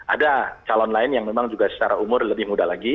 ada calon lain yang memang juga secara umur lebih muda lagi